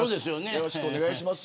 よろしくお願いします。